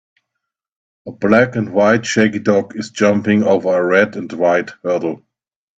A black and white shaggy dog is jumping over a red and white hurdle.